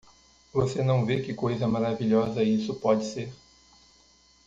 Você não vê que coisa maravilhosa isso pode ser?